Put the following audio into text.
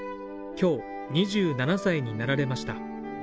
今日、２７歳になられました。